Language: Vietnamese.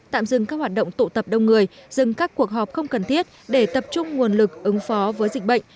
tạm dừng các hoạt động tụ tập đông người dừng các cuộc họp không cần thiết để tập trung nguồn lực ứng phó với dịch bệnh